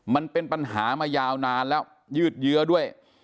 มันเป็นปัญหามายาวนานแล้วยืดเยื้อด้วย